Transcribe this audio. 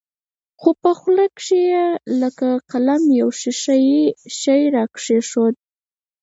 په خوله کښې يې لکه قلم يو ښيښه يي شى راکښېښوو.